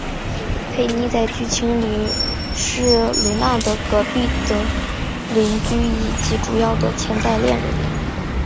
佩妮在剧集里是伦纳德隔壁的邻居以及主要的潜在恋人。